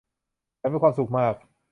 ฉันมีความสุขมาก !